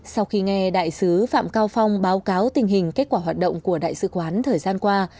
sau khi nghe đại sứ phạm cao phong báo cáo tình hình kết quả hoạt động của đại sứ quán thời gian qua